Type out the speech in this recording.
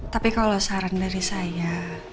tapi kalau saran dari saya